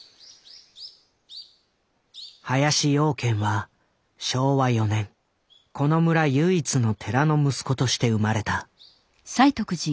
林養賢は昭和４年この村唯一の寺の息子として生まれた。